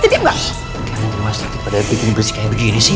tidak nanti mas tiba tiba dia bikin bersih kayak begini sih